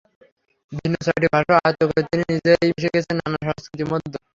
ভিন্ন ছয়টি ভাষাও আয়ত্ত করে তিনি নিজেই মিশে গেছেন নানান সংস্কৃতির মধ্যে।